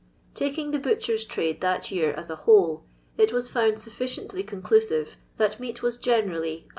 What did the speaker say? Taking the butcher s trade that year as a whole, it was found sufficiently conclusive, that meat was generally Id.